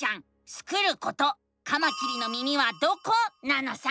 スクること「カマキリの耳はどこ？」なのさ！